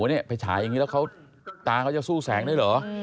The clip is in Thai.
นี่ไปฉายอย่างนี้ตาก็จะสู้แสงได้หรอ